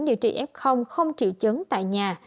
điều trị f không triệu chấn tại nhà